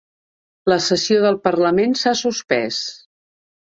La sessió del parlament s'ha suspès